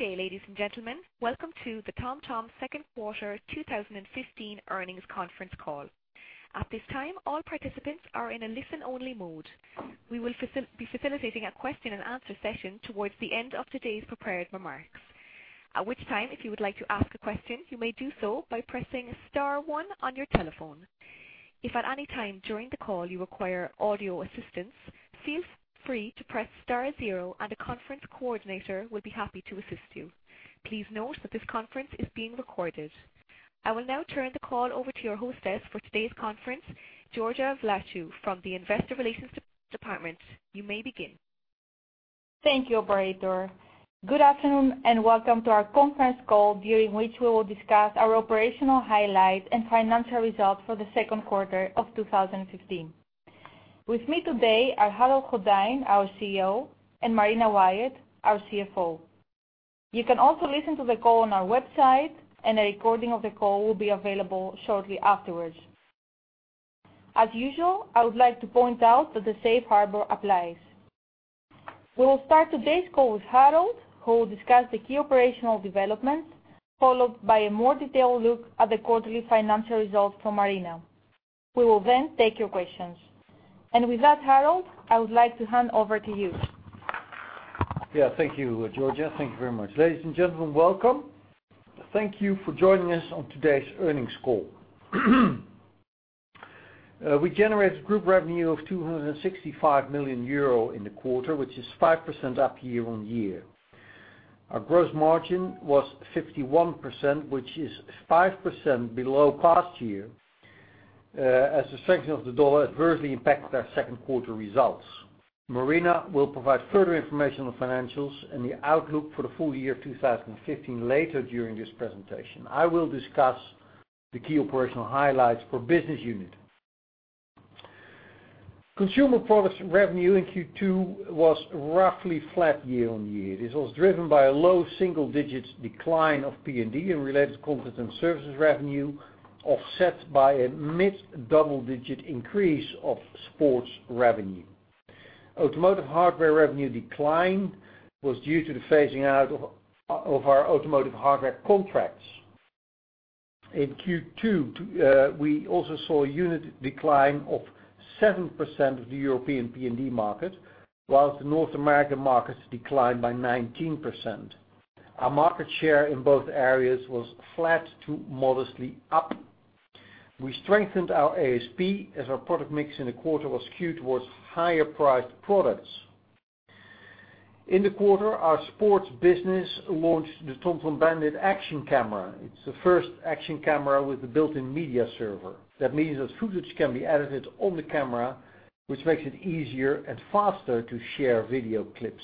Good day, ladies and gentlemen. Welcome to the TomTom second quarter 2015 earnings conference call. At this time, all participants are in a listen-only mode. We will be facilitating a question and answer session towards the end of today's prepared remarks. At which time, if you would like to ask a question, you may do so by pressing star one on your telephone. If at any time during the call you require audio assistance, feel free to press star zero and the conference coordinator will be happy to assist you. Please note that this conference is being recorded. I will now turn the call over to your hostess for today's conference, Georgia Vlachou, from the investor relations department. You may begin. Thank you, operator. Good afternoon, and welcome to our conference call, during which we will discuss our operational highlights and financial results for the second quarter of 2015. With me today are Harold Goddijn, our CEO, and Marina Wyatt, our CFO. You can also listen to the call on our website, and a recording of the call will be available shortly afterwards. As usual, I would like to point out that the safe harbor applies. We will start today's call with Harold, who will discuss the key operational developments, followed by a more detailed look at the quarterly financial results from Marina. We will then take your questions. With that, Harold, I would like to hand over to you. Thank you, Georgia. Thank you very much. Ladies and gentlemen, welcome. Thank you for joining us on today's earnings call. We generated group revenue of 265 million euro in the quarter, which is 5% up year-on-year. Our gross margin was 51%, which is 5% below past year, as the strengthening of the U.S. dollar adversely impacted our second quarter results. Marina will provide further information on financials and the outlook for the full year 2015 later during this presentation. I will discuss the key operational highlights for business unit. Consumer products revenue in Q2 was roughly flat year-on-year. This was driven by a low single-digit decline of PND and related content and services revenue, offset by a mid-double digit increase of sports revenue. Automotive hardware revenue decline was due to the phasing out of our automotive hardware contracts. In Q2, we also saw a unit decline of 7% of the European PND market, whilst the North American markets declined by 19%. Our market share in both areas was flat to modestly up. We strengthened our ASP as our product mix in the quarter was skewed towards higher priced products. In the quarter, our sports business launched the TomTom Bandit action camera. It's the first action camera with a built-in media server. That means that footage can be edited on the camera, which makes it easier and faster to share video clips.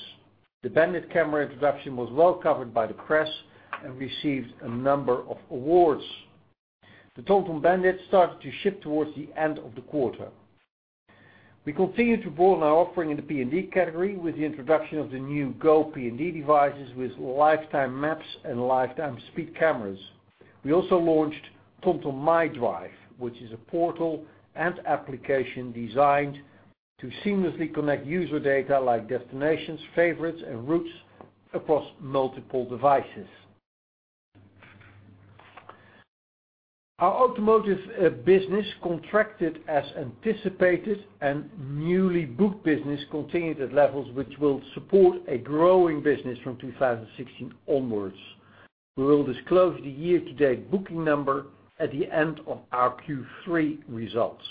The Bandit camera introduction was well covered by the press and received a number of awards. The TomTom Bandit started to ship towards the end of the quarter. We continue to broaden our offering in the PND category with the introduction of the new GO PND devices with lifetime maps and lifetime speed cameras. We also launched TomTom MyDrive, which is a portal and application designed to seamlessly connect user data like destinations, favorites, and routes across multiple devices. Our automotive business contracted as anticipated, newly booked business continued at levels which will support a growing business from 2016 onwards. We will disclose the year-to-date booking number at the end of our Q3 results.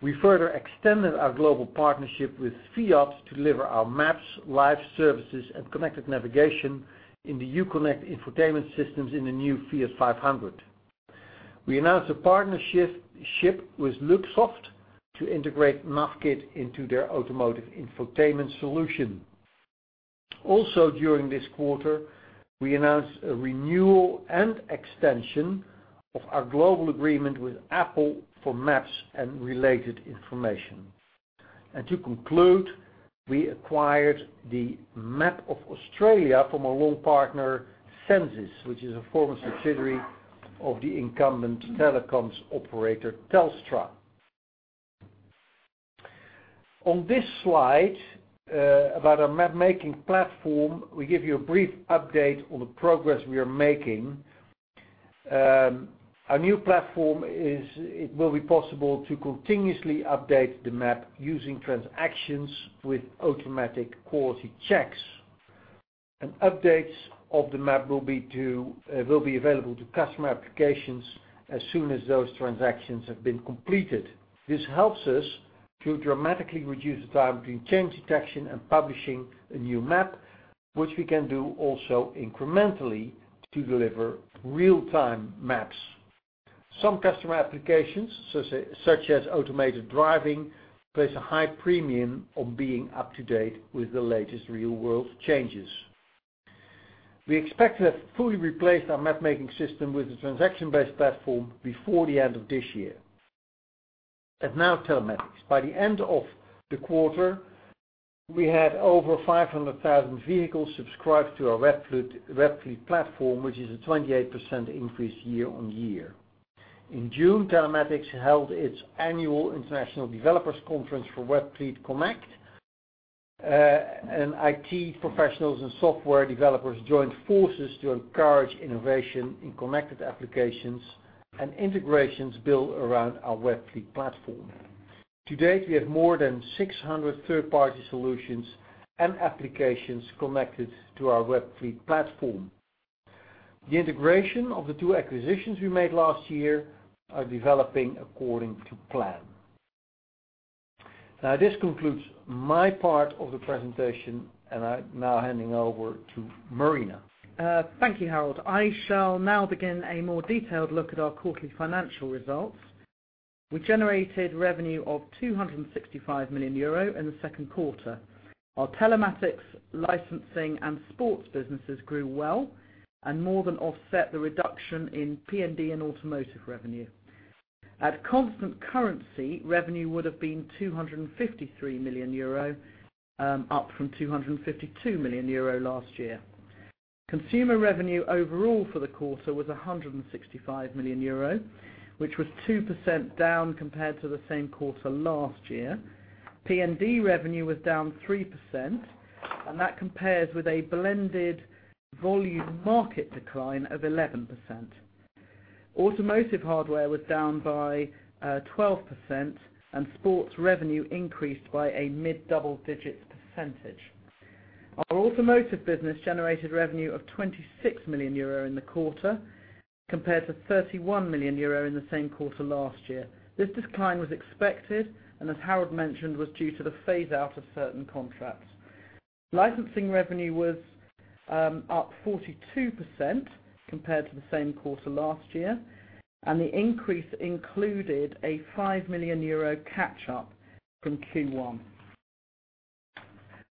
We further extended our global partnership with Fiat to deliver our LIVE Services and connected navigation in the Uconnect infotainment systems in the new Fiat 500. We announced a partnership with Luxoft to integrate NavKit into their automotive infotainment solution. Also, during this quarter, we announced a renewal and extension of our global agreement with Apple for maps and related information. To conclude, we acquired the map of Australia from our long partner, Sensis, which is a former subsidiary of the incumbent telecoms operator, Telstra. On this slide, about our map-making platform, we give you a brief update on the progress we are making. Our new platform, it will be possible to continuously update the map using transactions with automatic quality checks. Updates of the map will be available to customer applications as soon as those transactions have been completed. This helps us to dramatically reduce the time between change detection and publishing a new map, which we can do also incrementally to deliver real-time maps. Some customer applications, such as automated driving, place a high premium on being up to date with the latest real-world changes. We expect to have fully replaced our map-making system with a transaction-based platform before the end of this year. Now, telematics. By the end of the quarter, we had over 500,000 vehicles subscribed to our Webfleet platform, which is a 28% increase year-on-year. In June, Telematics held its annual international developers conference for Webfleet Connect. IT professionals and software developers joined forces to encourage innovation in connected applications and integrations built around our Webfleet platform. To date, we have more than 600 third-party solutions and applications connected to our Webfleet platform. The integration of the two acquisitions we made last year are developing according to plan. Now this concludes my part of the presentation, I'm now handing over to Marina. Thank you, Harold. I shall now begin a more detailed look at our quarterly financial results. We generated revenue of 265 million euro in the second quarter. Our Telematics licensing and sports businesses grew well and more than offset the reduction in PND and automotive revenue. At constant currency, revenue would have been 253 million euro, up from 252 million euro last year. Consumer revenue overall for the quarter was 165 million euro, which was 2% down compared to the same quarter last year. PND revenue was down 3%, that compares with a blended volume market decline of 11%. Automotive hardware was down by 12%, sports revenue increased by a mid-double-digit percentage. Our automotive business generated revenue of 26 million euro in the quarter, compared to 31 million euro in the same quarter last year. This decline was expected and, as Harold mentioned, was due to the phase-out of certain contracts. Licensing revenue was up 42% compared to the same quarter last year. The increase included a 5 million euro catch-up from Q1.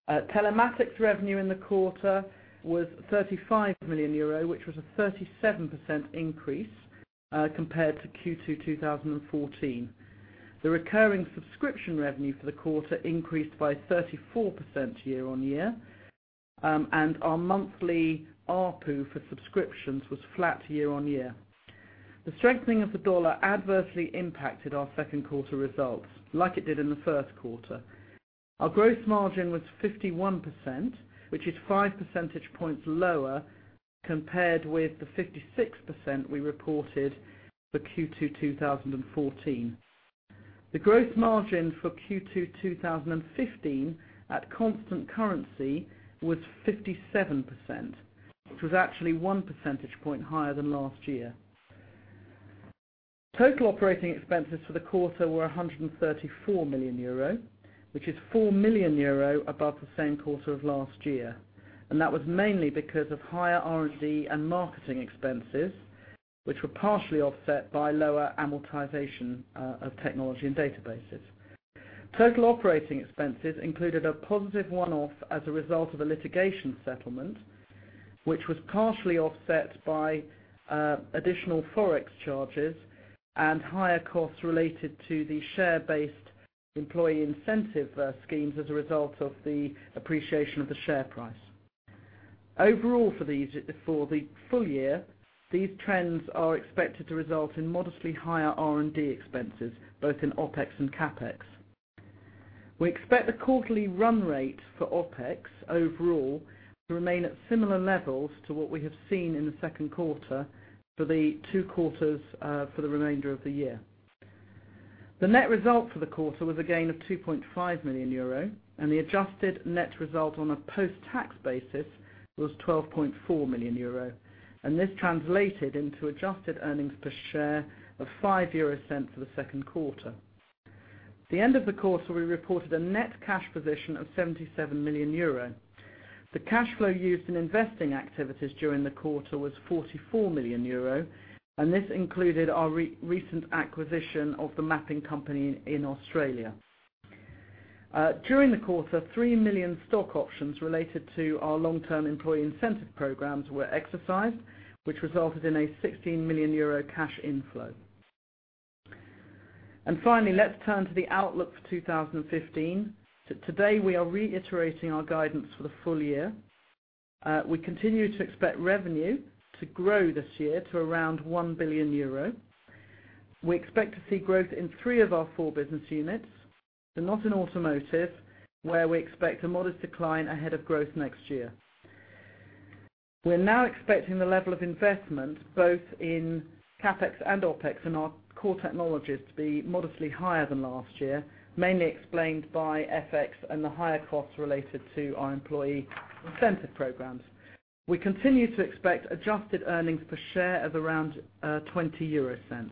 Telematics revenue in the quarter was 35 million euro, which was a 37% increase compared to Q2 2014. The recurring subscription revenue for the quarter increased by 34% year-on-year. Our monthly ARPU for subscriptions was flat year-on-year. The strengthening of the dollar adversely impacted our second quarter results, like it did in the first quarter. Our gross margin was 51%, which is 5 percentage points lower compared with the 56% we reported for Q2 2014. The gross margin for Q2 2015 at constant currency was 57%, which was actually 1 percentage point higher than last year. Total operating expenses for the quarter were 134 million euro, which is 4 million euro above the same quarter of last year. That was mainly because of higher R&D and marketing expenses, which were partially offset by lower amortization of technology and databases. Total operating expenses included a positive one-off as a result of a litigation settlement, which was partially offset by additional Forex charges and higher costs related to the share-based employee incentive schemes as a result of the appreciation of the share price. Overall for the full year, these trends are expected to result in modestly higher R&D expenses, both in OpEx and CapEx. We expect the quarterly run rate for OpEx overall to remain at similar levels to what we have seen in the second quarter for the two quarters for the remainder of the year. The net result for the quarter was a gain of 2.5 million euro, and the adjusted net result on a post-tax basis was 12.4 million euro. This translated into adjusted earnings per share of 0.05 for the second quarter. At the end of the quarter, we reported a net cash position of 77 million euro. The cash flow used in investing activities during the quarter was 44 million euro, and this included our recent acquisition of the mapping company in Australia. During the quarter, 3 million stock options related to our long-term employee incentive programs were exercised, which resulted in a 16 million euro cash inflow. Finally, let's turn to the outlook for 2015. Today, we are reiterating our guidance for the full year. We continue to expect revenue to grow this year to around 1 billion euro. We expect to see growth in three of our four business units, but not in automotive, where we expect a modest decline ahead of growth next year. We're now expecting the level of investment both in CapEx and OpEx in our core technologies to be modestly higher than last year, mainly explained by FX and the higher costs related to our employee incentive programs. We continue to expect adjusted earnings per share of around 0.20.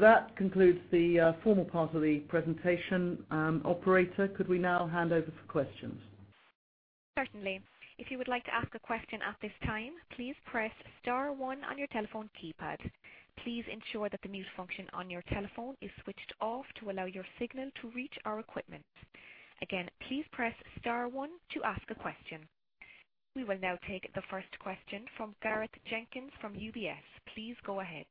That concludes the formal part of the presentation. Operator, could we now hand over for questions? Certainly. If you would like to ask a question at this time, please press star one on your telephone keypad. Please ensure that the mute function on your telephone is switched off to allow your signal to reach our equipment. Again, please press star one to ask a question. We will now take the first question from Gareth Jenkins from UBS. Please go ahead.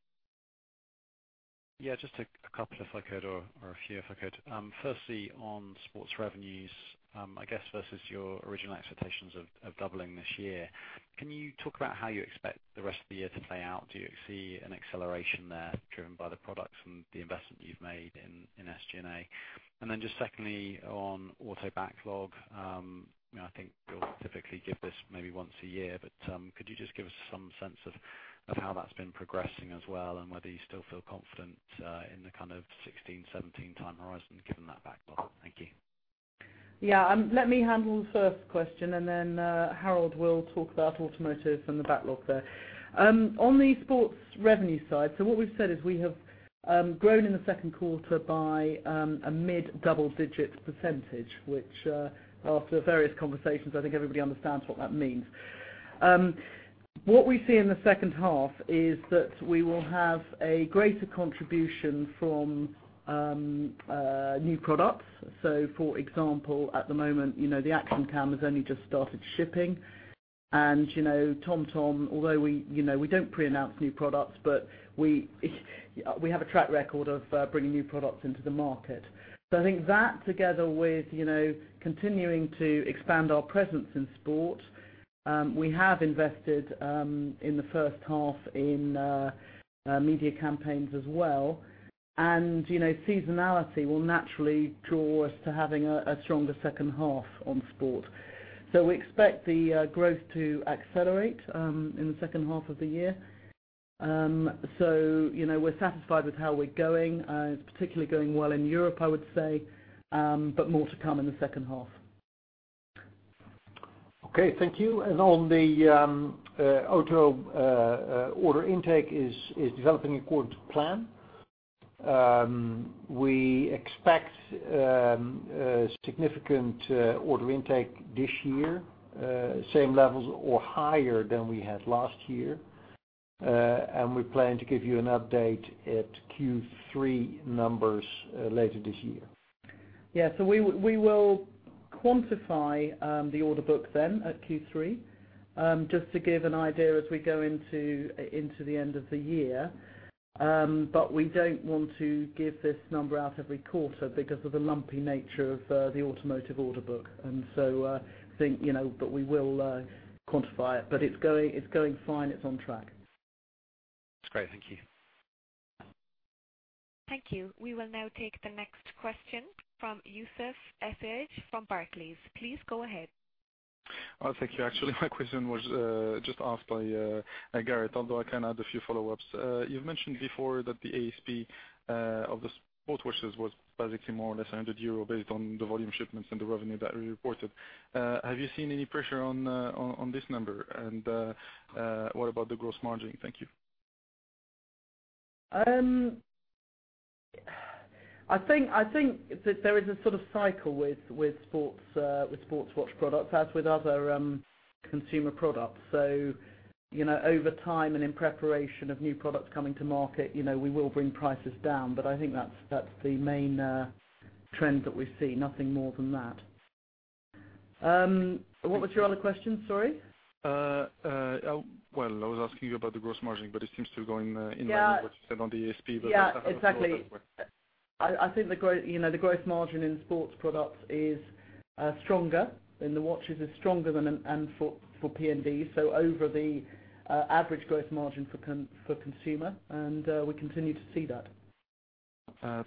Yeah, just a couple if I could, or a few if I could. Firstly, on sports revenues, I guess versus your original expectations of doubling this year, can you talk about how you expect the rest of the year to play out? Do you see an acceleration there driven by the products and the investment you've made in SG&A? Just secondly, on auto backlog. I think you'll typically give this maybe once a year, but could you just give us some sense of how that's been progressing as well, and whether you still feel confident in the kind of 2016, 2017 time horizon, given that backlog? Thank you. Yeah. Let me handle the first question. Harold will talk about automotive and the backlog there. On the sports revenue side, what we've said is we have grown in the second quarter by a mid-double digit %, which after various conversations, I think everybody understands what that means. What we see in the second half is that we will have a greater contribution from new products. For example, at the moment, the Action Cam has only just started shipping. TomTom, although we don't pre-announce new products, but we have a track record of bringing new products into the market. I think that together with continuing to expand our presence in sport. We have invested in the first half in media campaigns as well. Seasonality will naturally draw us to having a stronger second half on sport. We expect the growth to accelerate in the second half of the year. We're satisfied with how we're going. It's particularly going well in Europe, I would say. More to come in the second half. Okay, thank you. On the auto order intake is developing according to plan. We expect a significant order intake this year. Same levels or higher than we had last year. We plan to give you an update at Q3 numbers later this year. Yeah. We will quantify the order book then at Q3. Just to give an idea as we go into the end of the year. We don't want to give this number out every quarter because of the lumpy nature of the automotive order book. We will quantify it. It's going fine. It's on track. That's great. Thank you. Thank you. We will now take the next question from Youssef Essaegh from Barclays. Please go ahead. Thank you. Actually, my question was just asked by Gareth, although I can add a few follow-ups. You've mentioned before that the ASP of the sports watches was basically more or less 100 euro based on the volume shipments and the revenue that we reported. Have you seen any pressure on this number? What about the gross margin? Thank you. I think that there is a sort of cycle with sports watch products, as with other consumer products. Over time and in preparation of new products coming to market, we will bring prices down. I think that's the main trend that we see. Nothing more than that. What was your other question? Sorry. Well, I was asking you about the gross margin, but it seems to going in line- Yeah with what you said on the ASP, but- Yeah. Exactly I have a follow-up question. I think the gross margin in sports products is stronger, in the watches is stronger than, and for PND. Over the average gross margin for consumer, and we continue to see that.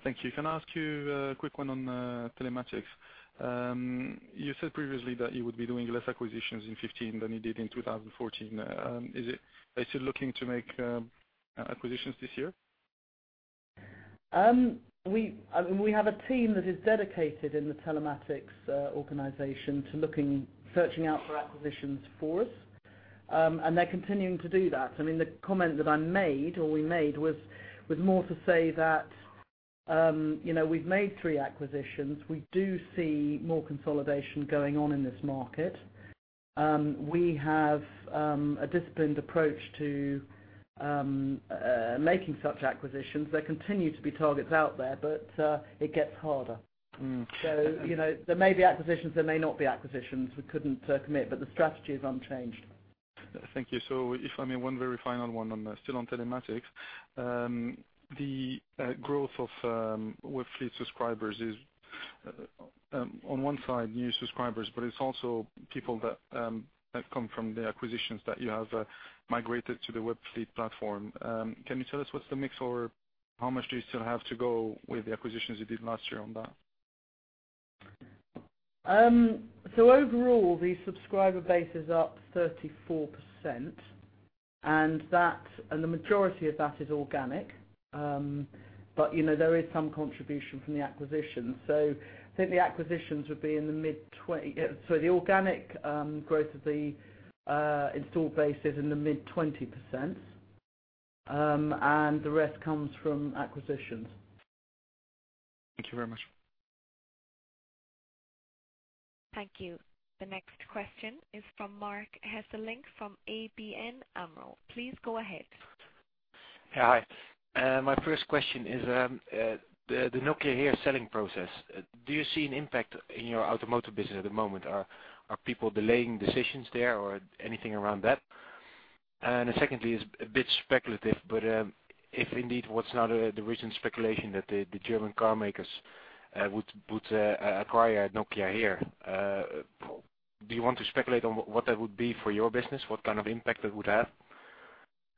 Thank you. Can I ask you a quick one on telematics? You said previously that you would be doing less acquisitions in 2015 than you did in 2014. Is it actually looking to make acquisitions this year? We have a team that is dedicated in the telematics organization to searching out for acquisitions for us. They're continuing to do that. The comment that I made or we made was more to say that we've made three acquisitions. We do see more consolidation going on in this market. We have a disciplined approach to making such acquisitions. There continue to be targets out there, but it gets harder. There may be acquisitions, there may not be acquisitions. We couldn't commit, but the strategy is unchanged. Thank you. If I may, one very final one still on telematics. The growth of Webfleet subscribers is on one side new subscribers, but it's also people that have come from the acquisitions that you have migrated to the Webfleet platform. Can you tell us what's the mix or how much do you still have to go with the acquisitions you did last year on that? Overall, the subscriber base is up 34%, and the majority of that is organic. There is some contribution from the acquisition. I think the acquisitions would be in the mid-20. The organic growth of the install base is in the mid-20%. The rest comes from acquisitions. Thank you very much. Thank you. The next question is from Marc Hesselink from ABN AMRO. Please go ahead. Yeah. Hi. My first question is the Nokia HERE selling process. Do you see an impact in your automotive business at the moment? Are people delaying decisions there or anything around that? Secondly, it's a bit speculative, but if indeed what's now the recent speculation that the German car makers would acquire Nokia HERE, do you want to speculate on what that would be for your business? What kind of impact that would have?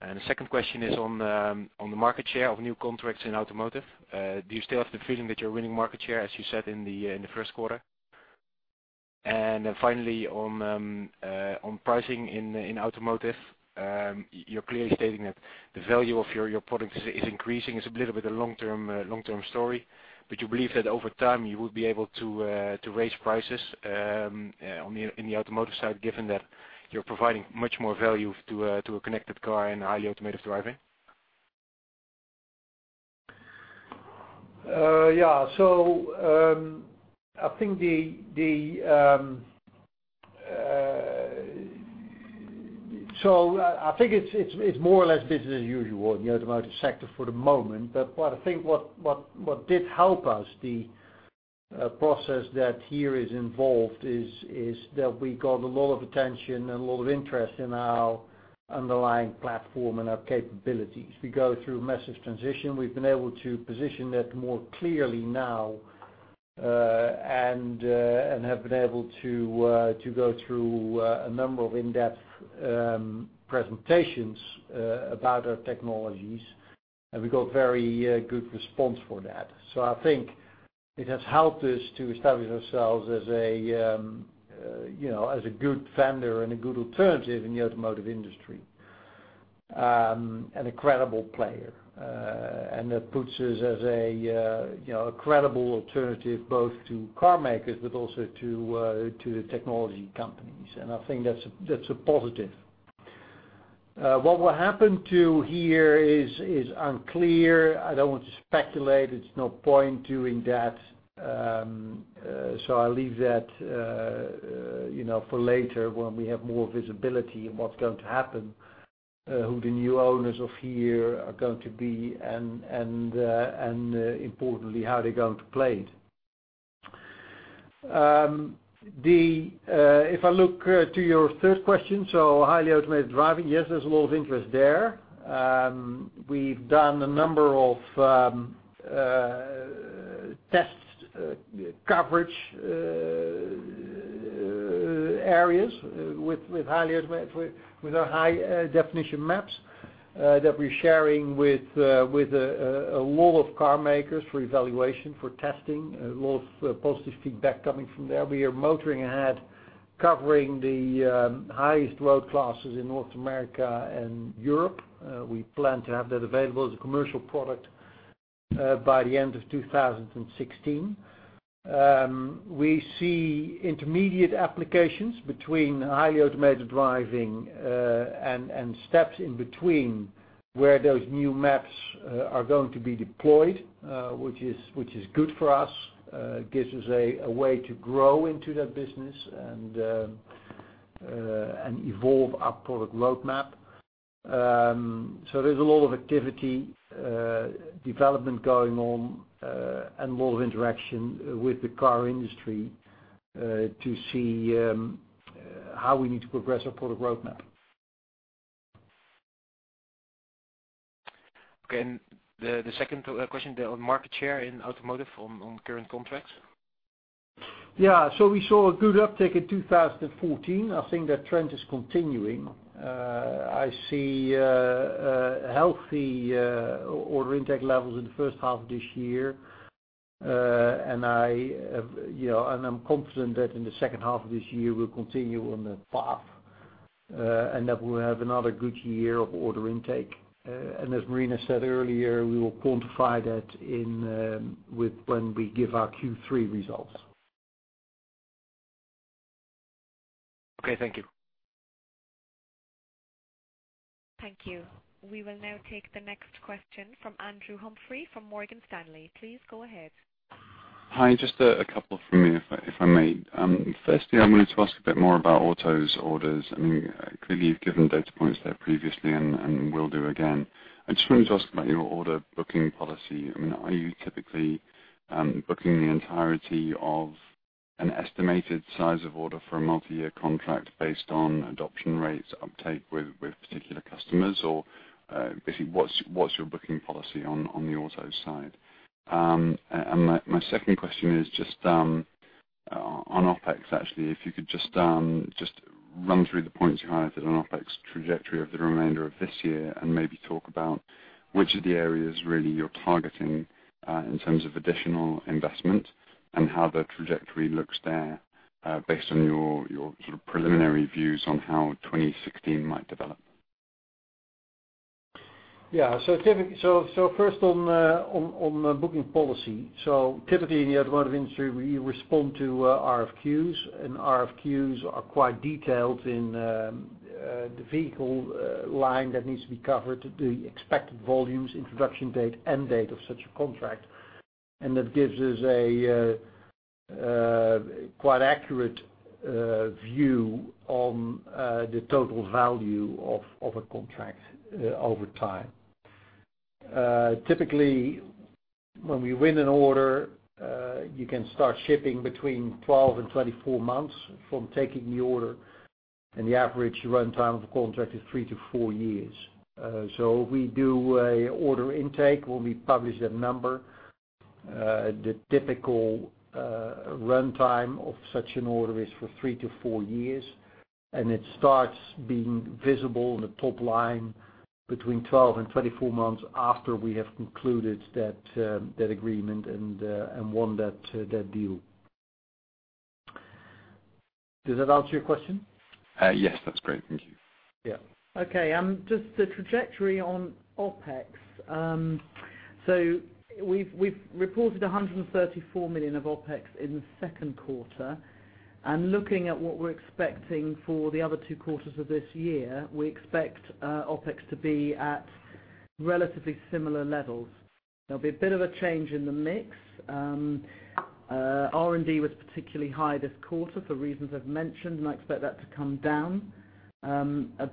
The second question is on the market share of new contracts in automotive. Do you still have the feeling that you're winning market share as you said in the first quarter? Finally, on pricing in automotive, you're clearly stating that the value of your products is increasing. It's a little bit of a long-term story. You believe that over time you will be able to raise prices in the automotive side, given that you're providing much more value to a connected car and highly automated driving? I think it's more or less business as usual in the automotive sector for the moment. What I think did help us, the process that HERE is involved, is that we got a lot of attention and a lot of interest in our underlying platform and our capabilities. We go through a massive transition. We've been able to position that more clearly now, and have been able to go through a number of in-depth presentations about our technologies. We got very good response for that. I think it has helped us to establish ourselves as a good vendor and a good alternative in the automotive industry, and a credible player. That puts us as a credible alternative, both to car makers but also to the technology companies. I think that's a positive. What will happen to HERE is unclear. I don't want to speculate. There's no point doing that. I'll leave that for later when we have more visibility in what's going to happen, who the new owners of HERE are going to be and, importantly, how they're going to play it. If I look to your third question, highly automated driving, yes, there's a lot of interest there. We've done a number of test coverage areas with our high-definition maps, that we're sharing with a lot of car makers for evaluation, for testing, a lot of positive feedback coming from there. We are motoring ahead, covering the highest road classes in North America and Europe. We plan to have that available as a commercial product by the end of 2016. We see intermediate applications between highly automated driving and steps in between where those new maps are going to be deployed, which is good for us. It gives us a way to grow into that business and evolve our product roadmap. There's a lot of activity development going on, and a lot of interaction with the car industry, to see how we need to progress our product roadmap. Okay. The second question there on market share in automotive on current contracts? We saw a good uptick in 2014. I think that trend is continuing. I see healthy order intake levels in the first half of this year. I'm confident that in the second half of this year, we'll continue on that path, that we'll have another good year of order intake. As Marina said earlier, we will quantify that when we give our Q3 results. Okay. Thank you. Thank you. We will now take the next question from Andrew Humphrey from Morgan Stanley. Please go ahead. Hi, just a couple from me, if I may. Firstly, I wanted to ask a bit more about autos orders. Clearly, you've given data points there previously and will do again. I just wanted to ask about your order booking policy. Are you typically booking the entirety of an estimated size of order for a multi-year contract based on adoption rates uptake with particular customers? Basically, what's your booking policy on the autos side? My second question is just on OpEx, actually. If you could just run through the points you highlighted on OpEx trajectory of the remainder of this year, and maybe talk about which of the areas really you're targeting, in terms of additional investment, and how the trajectory looks there, based on your preliminary views on how 2016 might develop. Yeah. First on booking policy. Typically, in the automotive industry, we respond to RFQs, and RFQs are quite detailed in the vehicle line that needs to be covered, the expected volumes, introduction date, end date of such a contract. That gives us a quite accurate view on the total value of a contract over time. Typically, when we win an order, you can start shipping between 12 and 24 months from taking the order, and the average runtime of a contract is three to four years. We do an order intake when we publish that number. The typical runtime of such an order is for three to four years, and it starts being visible in the top line between 12 and 24 months after we have concluded that agreement and won that deal. Does that answer your question? Yes, that's great. Thank you. Yeah. Okay. Just the trajectory on OpEx. We've reported 134 million of OpEx in the second quarter. Looking at what we're expecting for the other two quarters of this year, we expect OpEx to be at relatively similar levels. There'll be a bit of a change in the mix. R&D was particularly high this quarter for reasons I've mentioned, and I expect that to come down.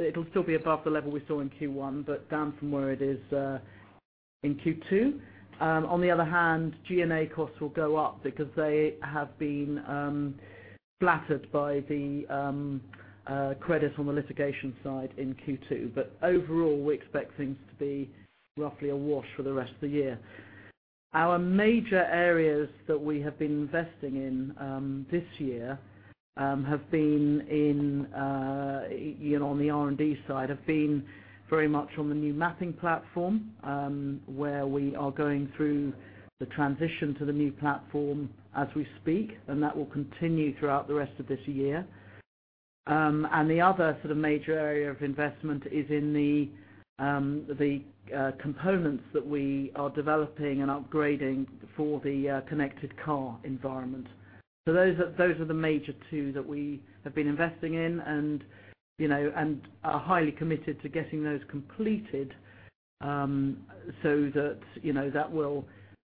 It'll still be above the level we saw in Q1, but down from where it is in Q2. On the other hand, G&A costs will go up because they have been flattered by the credit on the litigation side in Q2. Overall, we expect things to be roughly a wash for the rest of the year. Our major areas that we have been investing in this year have been on the R&D side, have been very much on the new mapping platform, where we are going through the transition to the new platform as we speak, and that will continue throughout the rest of this year. The other sort of major area of investment is in the components that we are developing and upgrading for the connected car environment. Those are the major two that we have been investing in and are highly committed to getting those completed, so that will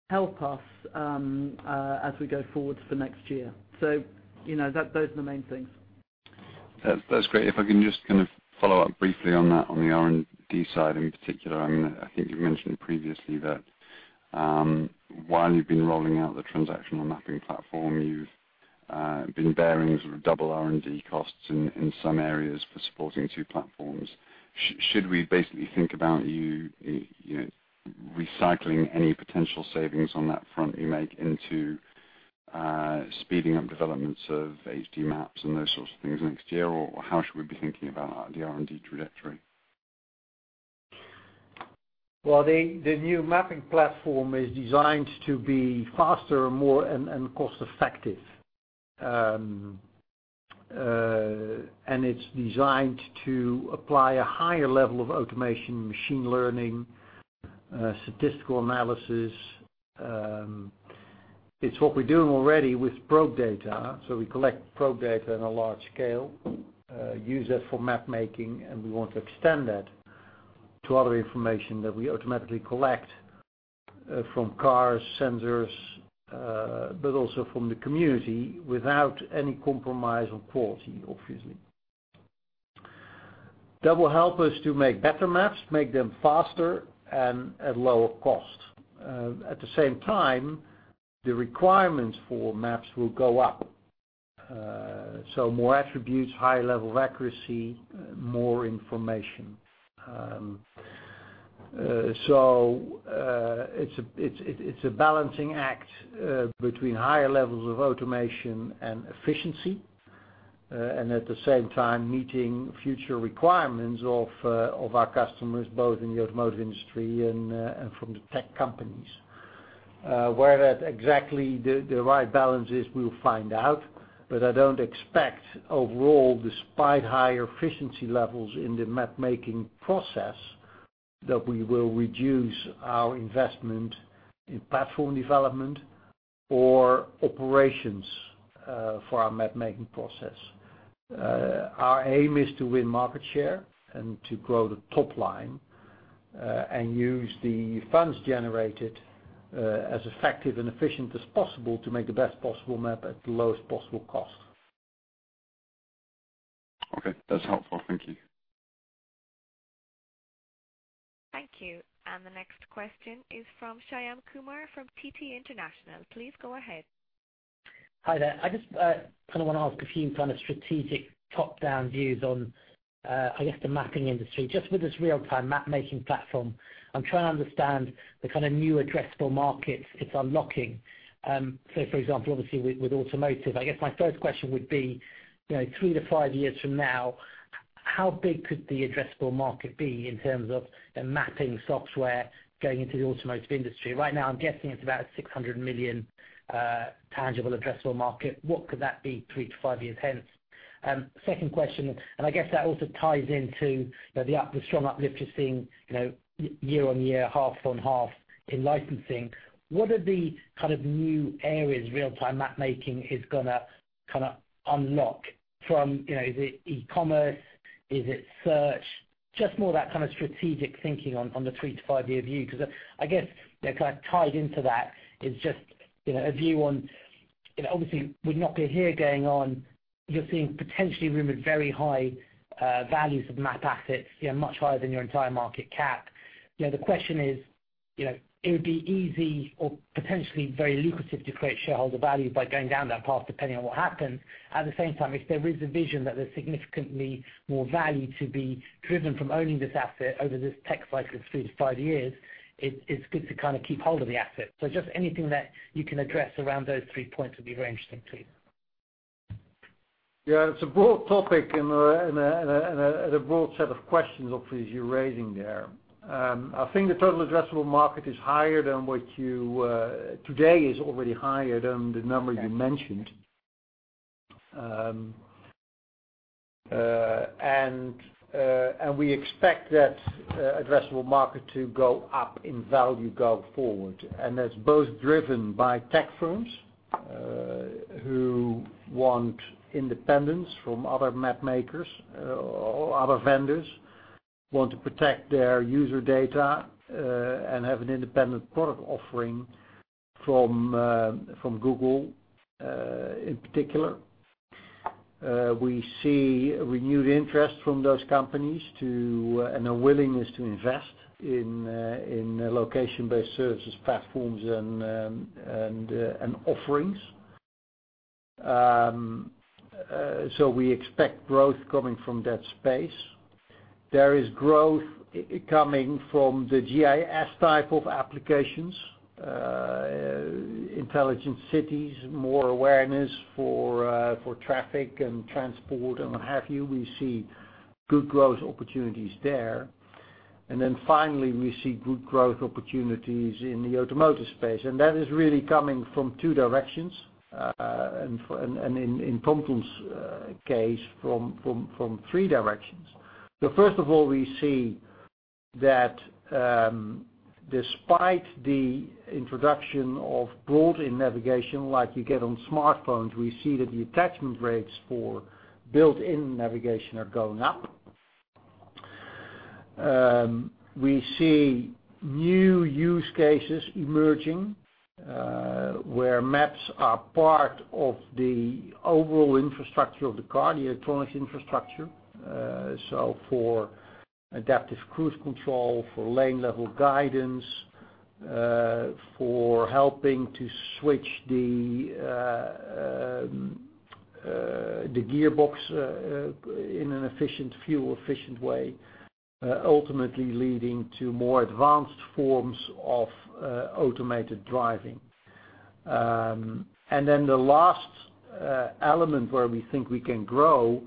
help us as we go forward for next year. Those are the main things. That's great. If I can just follow up briefly on that, on the R&D side in particular. I think you've mentioned previously that, while you've been rolling out the transactional mapping platform, you've been bearing sort of double R&D costs in some areas for supporting two platforms. Should we basically think about you recycling any potential savings on that front you make into speeding up developments of HD maps and those sorts of things next year? How should we be thinking about the R&D trajectory? Well, the new mapping platform is designed to be faster and more cost-effective. It's designed to apply a higher level of automation, machine learning, statistical analysis. It's what we're doing already with probe data. We collect probe data on a large scale, use that for map making, and we want to extend that to other information that we automatically collect from cars, sensors, but also from the community without any compromise on quality, obviously. That will help us to make better maps, make them faster and at lower cost. At the same time, the requirements for maps will go up. More attributes, higher level of accuracy, more information. It's a balancing act between higher levels of automation and efficiency, and at the same time meeting future requirements of our customers, both in the automotive industry and from the tech companies. Where that exactly the right balance is, we'll find out, but I don't expect overall, despite higher efficiency levels in the mapmaking process, that we will reduce our investment in platform development or operations for our mapmaking process. Our aim is to win market share and to grow the top line, and use the funds generated as effective and efficient as possible to make the best possible map at the lowest possible cost. Okay. That's helpful. Thank you. Thank you. The next question is from Shyam Kumar from TT International. Please go ahead. Hi there. I just want to ask a few strategic top-down views on, I guess, the mapping industry. With this real-time mapmaking platform, I'm trying to understand the new addressable markets it's unlocking. For example, obviously with automotive, I guess my first question would be, three to five years from now, how big could the addressable market be in terms of the mapping software going into the automotive industry? Right now, I'm guessing it's about a 600 million tangible addressable market. What could that be three to five years hence? Second question. I guess that also ties into the strong uplift you're seeing year-on-year, half-on-half in licensing. What are the new areas real-time mapmaking is going to unlock from, is it e-commerce? Is it search? More of that strategic thinking on the three to five-year view, because I guess, tied into that is just a view on. Obviously, [we'd not be here going on]. You're seeing potentially rumored very high values of map assets, much higher than your entire market cap. The question is, it would be easy or potentially very lucrative to create shareholder value by going down that path, depending on what happens. At the same time, if there is a vision that there's significantly more value to be driven from owning this asset over this tech cycle of three to five years, it's good to keep hold of the asset. Anything that you can address around those three points would be very interesting to me. Yeah. It's a broad topic and a broad set of questions, obviously, you're raising there. I think the total addressable market today is already higher than the number you mentioned. We expect that addressable market to go up in value going forward. That's both driven by tech firms, who want independence from other map makers or other vendors, want to protect their user data, and have an independent product offering from Google, in particular. We see a renewed interest from those companies and a willingness to invest in location-based services, platforms, and offerings. We expect growth coming from that space. There is growth coming from the GIS type of applications, intelligent cities, more awareness for traffic and transport, and what have you. We see good growth opportunities there. Finally, we see good growth opportunities in the automotive space. That is really coming from two directions. In TomTom's case, from three directions. First of all, we see that despite the introduction of built-in navigation like you get on smartphones, we see that the attachment rates for built-in navigation are going up. We see new use cases emerging, where maps are part of the overall infrastructure of the car, the electronics infrastructure. For adaptive cruise control, for lane level guidance, for helping to switch the gearbox in an efficient, fuel-efficient way, ultimately leading to more advanced forms of automated driving. The last element where we think we can grow,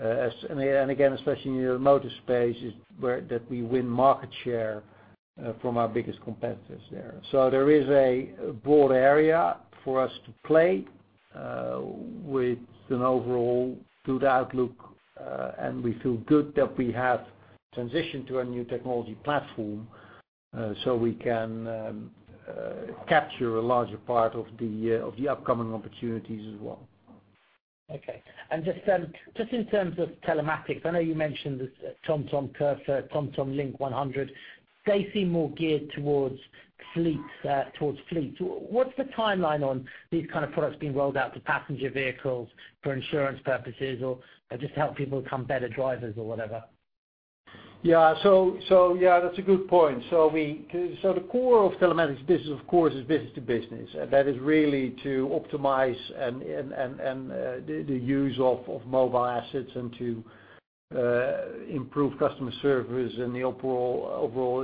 and again, especially in the automotive space, is where that we win market share from our biggest competitors there. There is a broad area for us to play, with an overall good outlook. We feel good that we have transitioned to a new technology platform so we can capture a larger part of the upcoming opportunities as well. Okay. Just in terms of telematics, I know you mentioned the TomTom Curfer, TomTom LINK 100. They seem more geared towards fleets. What's the timeline on these kind of products being rolled out to passenger vehicles for insurance purposes or just to help people become better drivers or whatever? Yeah. That's a good point. The core of telematics business, of course, is business to business. That is really to optimize the use of mobile assets and to improve customer service and the overall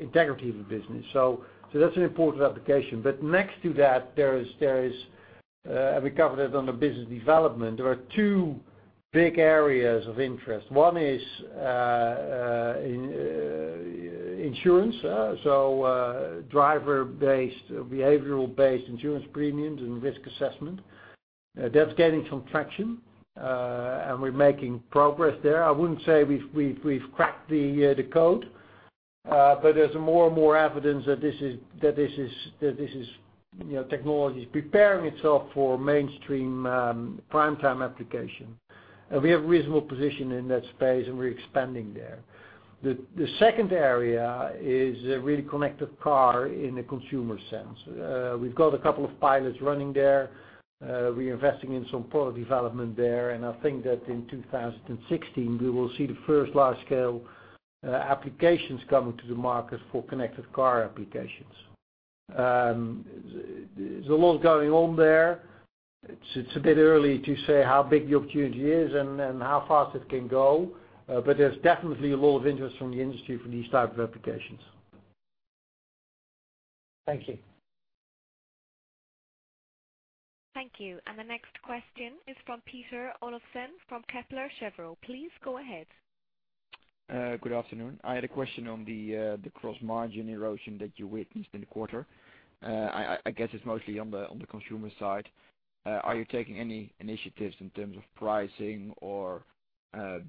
integrity of the business. That's an important application. Next to that, we covered it under business development, there are two big areas of interest. One is insurance. Driver-based, behavioral-based insurance premiums and risk assessment. That's gaining some traction, and we're making progress there. I wouldn't say we've cracked the code, but there's more and more evidence that this technology's preparing itself for mainstream primetime application. We have a reasonable position in that space, and we're expanding there. The second area is really connected car in a consumer sense. We've got a couple of pilots running there. We're investing in some product development there. I think that in 2016, we will see the first large-scale applications coming to the market for connected car applications. There's a lot going on there. It's a bit early to say how big the opportunity is and how fast it can go. There's definitely a lot of interest from the industry for these type of applications. Thank you. Thank you. The next question is from Peter Olofsen from Kepler Cheuvreux. Please go ahead. Good afternoon. I had a question on the gross margin erosion that you witnessed in the quarter. I guess it's mostly on the consumer side. Are you taking any initiatives in terms of pricing or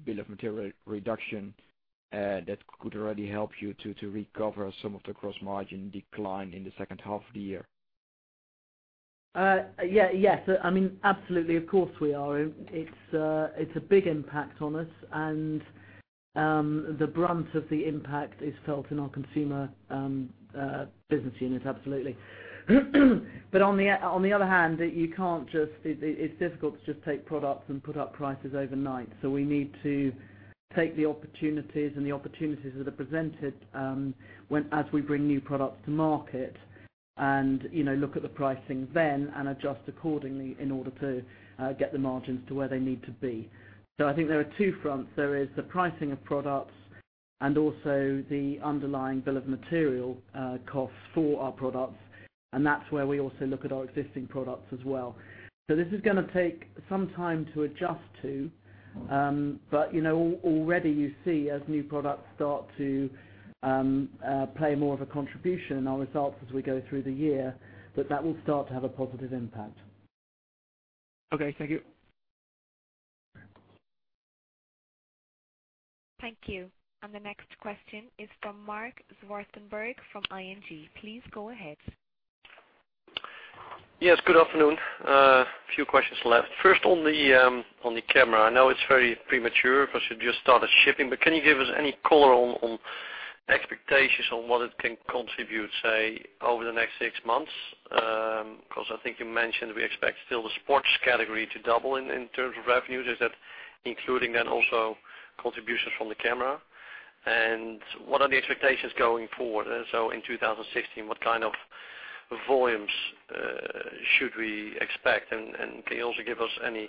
bill of material reduction that could already help you to recover some of the gross margin decline in the second half of the year? Yes. Absolutely, of course, we are. It's a big impact on us and The brunt of the impact is felt in our consumer business unit. Absolutely. On the other hand, it's difficult to just take products and put up prices overnight. We need to take the opportunities and the opportunities that are presented as we bring new products to market and look at the pricing then and adjust accordingly in order to get the margins to where they need to be. I think there are two fronts. There is the pricing of products and also the underlying bill of material costs for our products, and that's where we also look at our existing products as well. This is going to take some time to adjust to. Already you see as new products start to play more of a contribution in our results as we go through the year, that that will start to have a positive impact. Okay. Thank you. Thank you. The next question is from Marc Zwartsenburg from ING. Please go ahead. Yes, good afternoon. A few questions left. First, on the camera. I know it's very premature because you just started shipping, but can you give us any color on expectations on what it can contribute, say, over the next 6 months? I think you mentioned we expect still the sports category to double in terms of revenues. Is that including then also contributions from the camera? What are the expectations going forward? In 2016, what kind of volumes should we expect, and can you also give us any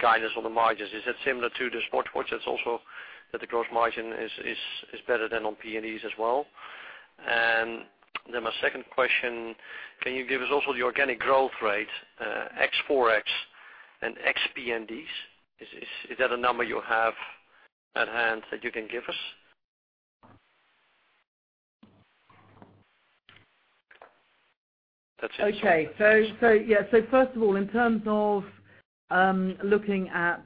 guidance on the margins? Is that similar to the sports watch that the gross margin is better than on PNDs as well? My second question, can you give us also the organic growth rate, ex Forex and ex PNDs? Is that a number you have at hand that you can give us? That's it. First of all, in terms of looking at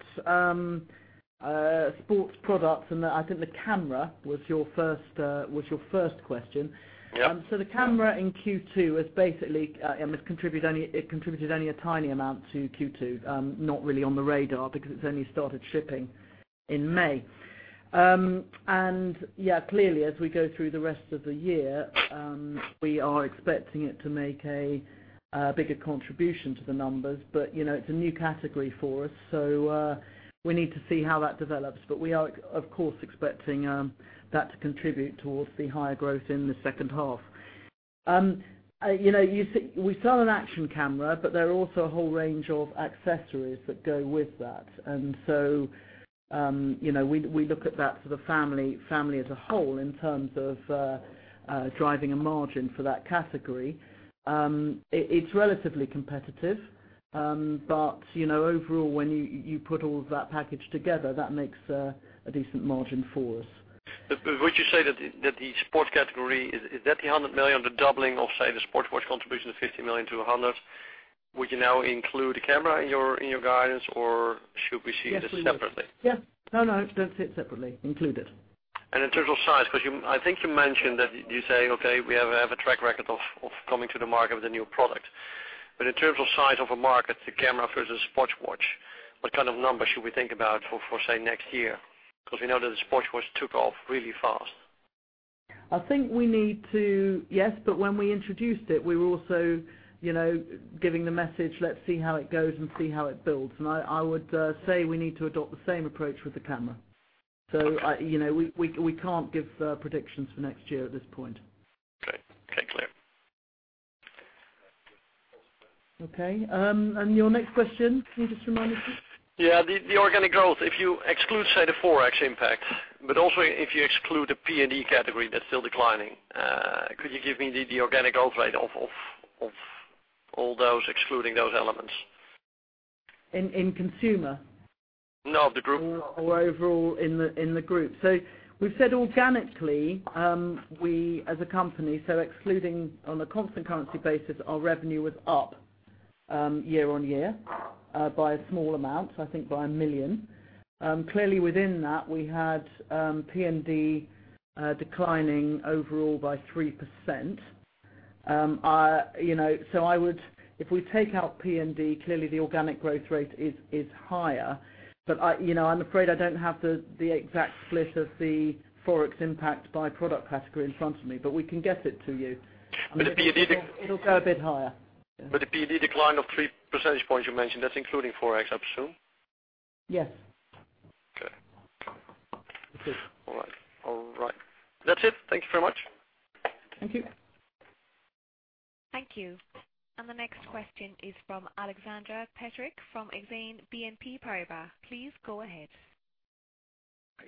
sports products, I think the camera was your first question. Yeah. The camera in Q2, it contributed only a tiny amount to Q2. Not really on the radar because it's only started shipping in May. Clearly as we go through the rest of the year, we are expecting it to make a bigger contribution to the numbers. It's a new category for us. We need to see how that develops. We are, of course, expecting that to contribute towards the higher growth in the second half. We sell an action camera, but there are also a whole range of accessories that go with that. We look at that for the family as a whole in terms of driving a margin for that category. It's relatively competitive. Overall, when you put all of that package together, that makes a decent margin for us. Would you say that the sports category, is that the 100 million, the doubling of, say, the sports watch contribution of 50 million to 100 million? Would you now include the camera in your guidance, or should we see this separately? Yes. No, no, don't see it separately. Include it. In terms of size, because I think you mentioned that you say, okay, we have a track record of coming to the market with a new product. In terms of size of a market, the camera versus sports watch, what kind of numbers should we think about for, say, next year? We know that the sports watch took off really fast. I think we need to, yes, when we introduced it, we were also giving the message, let's see how it goes and see how it builds. I would say we need to adopt the same approach with the camera. We can't give predictions for next year at this point. Okay. Clear. Okay. Your next question. Can you just remind me, please? Yeah. The organic growth. If you exclude, say, the Forex impact, also if you exclude the PND category, that's still declining. Could you give me the organic growth rate of all those, excluding those elements? In consumer? No, the group. Overall in the group. We've said organically, we as a company, excluding on a constant currency basis, our revenue was up year-on-year by a small amount, I think by 1 million. Clearly within that, we had PND declining overall by 3%. If we take out PND, clearly the organic growth rate is higher. I'm afraid I don't have the exact split of the Forex impact by product category in front of me, but we can get it to you. The PND- It'll go a bit higher. The PND decline of three percentage points you mentioned, that's including Forex, I presume? Yes. Okay. All right. That's it. Thank you very much. Thank you. Thank you. The next question is from Alexandre Plicque from Exane BNP Paribas. Please go ahead.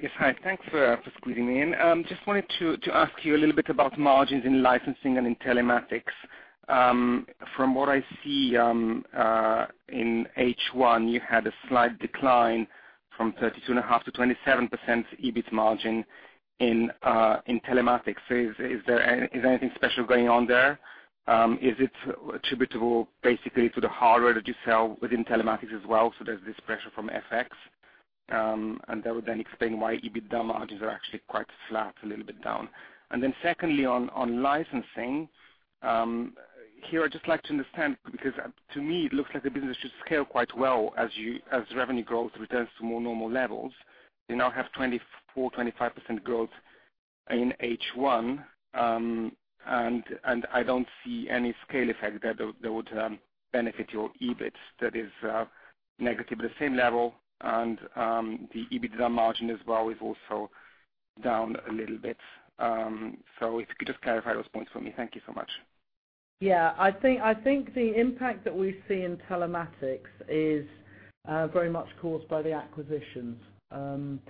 Yes, hi. Thanks for squeezing me in. Just wanted to ask you a little bit about margins in licensing and in telematics. From what I see, in H1 you had a slight decline from 32.5%-27% EBIT margin in telematics. Is there anything special going on there? Is it attributable basically to the hardware that you sell within telematics as well? There's this pressure from FX, and that would then explain why EBITDA margins are actually quite flat, a little bit down. Secondly, on licensing. Here, I'd just like to understand because to me it looks like the business should scale quite well as revenue growth returns to more normal levels. You now have 24%-25% growth in H1, and I don't see any scale effect that would benefit your EBIT that is negative at the same level. The EBITDA margin as well is also down a little bit. If you could just clarify those points for me. Thank you so much. Yeah. I think the impact that we see in telematics is very much caused by the acquisitions. In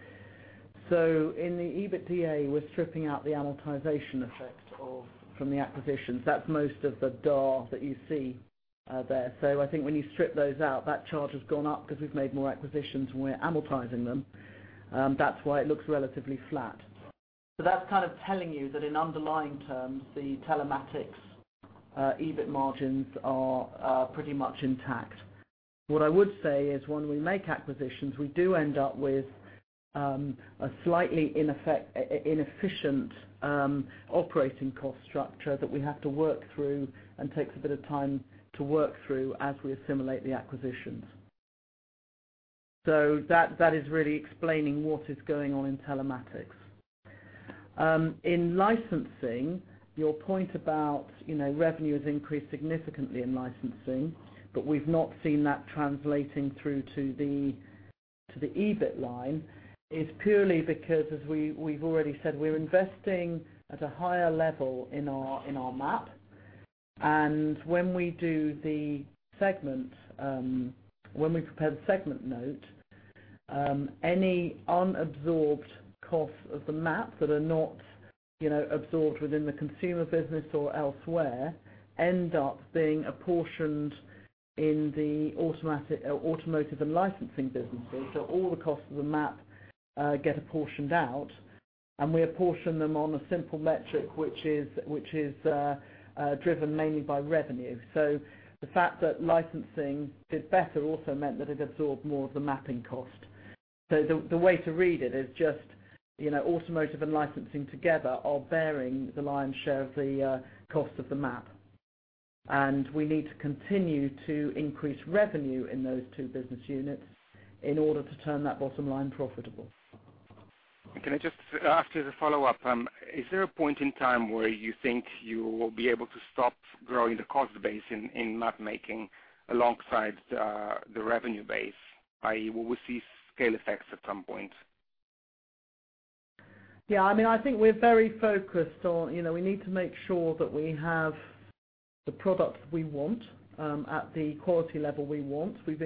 the EBITDA, we're stripping out the amortization effect from the acquisitions. That's most of the D&A that you see there. I think when you strip those out, that charge has gone up because we've made more acquisitions, and we're amortizing them. That's why it looks relatively flat. That's telling you that in underlying terms, the telematics EBIT margins are pretty much intact. What I would say is when we make acquisitions, we do end up with a slightly inefficient operating cost structure that we have to work through and takes a bit of time to work through as we assimilate the acquisitions. That is really explaining what is going on in telematics. In licensing, your point about revenue has increased significantly in licensing, but we've not seen that translating through to the EBIT line is purely because, as we've already said, we're investing at a higher level in our map. When we prepare the segment note, any unabsorbed costs of the map that are not absorbed within the consumer business or elsewhere end up being apportioned in the automotive and licensing businesses. All the costs of the map get apportioned out, and we apportion them on a simple metric, which is driven mainly by revenue. The fact that licensing did better also meant that it absorbed more of the mapping cost. The way to read it is just automotive and licensing together are bearing the lion's share of the cost of the map. We need to continue to increase revenue in those two business units in order to turn that bottom line profitable. Can I just ask you as a follow-up? Is there a point in time where you think you will be able to stop growing the cost base in map making alongside the revenue base? Will we see scale effects at some point? Yeah. I think we're very focused on we need to make sure that we have the product we want at the quality level we want. We've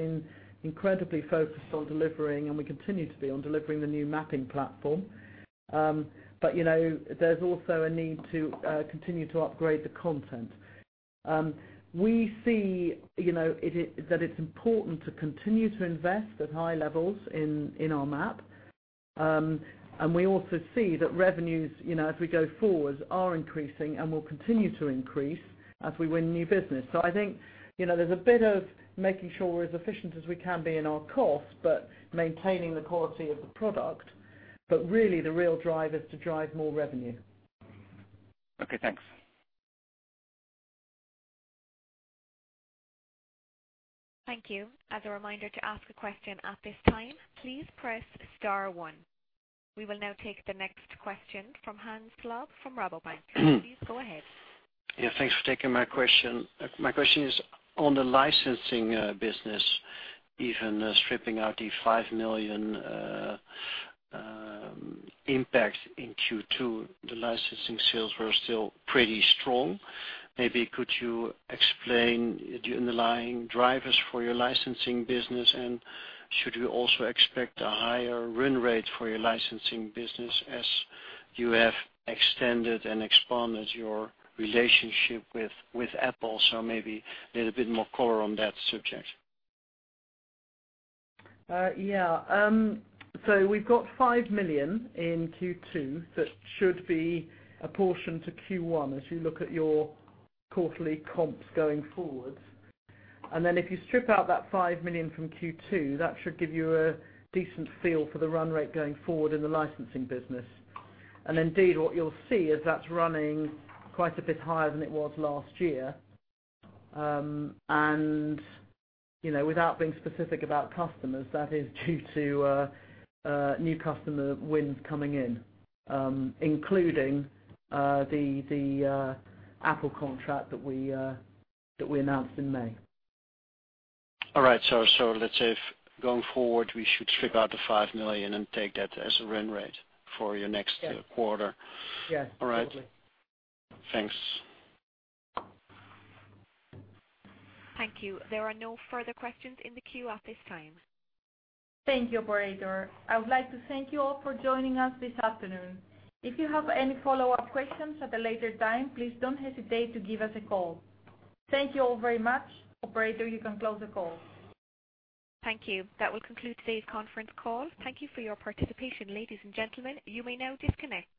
been incredibly focused on delivering, and we continue to be on delivering the new mapping platform. There's also a need to continue to upgrade the content. We see that it's important to continue to invest at high levels in our map. We also see that revenues, as we go forward, are increasing and will continue to increase as we win new business. I think there's a bit of making sure we're as efficient as we can be in our costs, but maintaining the quality of the product. Really, the real drive is to drive more revenue. Okay, thanks. Thank you. As a reminder, to ask a question at this time, please press star one. We will now take the next question from Hans Slob from Rabobank. Please go ahead. Thanks for taking my question. My question is on the licensing business, even stripping out the 5 million impact in Q2, the licensing sales were still pretty strong. Maybe could you explain the underlying drivers for your licensing business? Should we also expect a higher run rate for your licensing business as you have extended and expanded your relationship with Apple? Maybe a little bit more color on that subject. We've got EUR 5 million in Q2 that should be apportioned to Q1 as you look at your quarterly comps going forward. If you strip out that 5 million from Q2, that should give you a decent feel for the run rate going forward in the licensing business. What you'll see is that's running quite a bit higher than it was last year. Without being specific about customers, that is due to new customer wins coming in, including the Apple contract that we announced in May. All right. Let's say if going forward, we should strip out the 5 million and take that as a run rate for your next quarter. Yes. All right. Totally. Thanks. Thank you. There are no further questions in the queue at this time. Thank you, operator. I would like to thank you all for joining us this afternoon. If you have any follow-up questions at a later time, please don't hesitate to give us a call. Thank you all very much. Operator, you can close the call. Thank you. That will conclude today's conference call. Thank you for your participation, ladies and gentlemen. You may now disconnect.